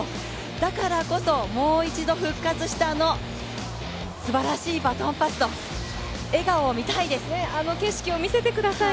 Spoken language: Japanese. だからこそ、もう一度復活した、あのすばらしいバトンパスとあの景色を見せてください。